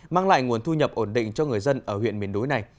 mang lại nguồn thu nhập ổn định cho người dân ở huyện miền núi này